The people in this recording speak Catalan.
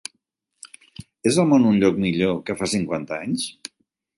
És el món un lloc millor que fa cinquanta anys?